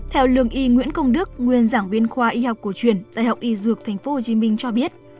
theo lương y nguyễn công đức nguyên giảng viên khoa y học cổ truyền đại học y dược tp hcm cho biết